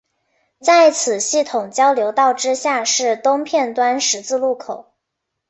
在此系统交流道之下是东片端十字路口。